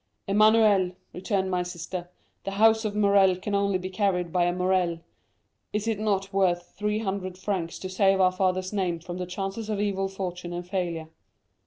"'Emmanuel,' returned my sister, 'the house of Morrel can only be carried on by a Morrel. Is it not worth 300,000 francs to save our father's name from the chances of evil fortune and failure?